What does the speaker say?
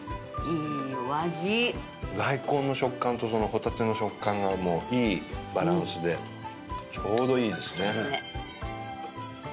大根の食感とほたての食感がもういいバランスでちょうどいいですね。ですね。